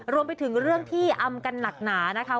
รวมไปถึงเรื่องที่อำกันหนักหนานะคะ